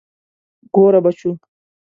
ګوره بچو.